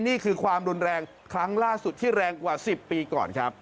นี่คือความรุนแรงครั้งล่าสุดที่แรงกว่า๑๐ปีก่อนครับ